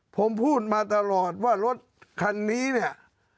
ผมพูดมาตลอดว่ารถคันนี้เนี่ย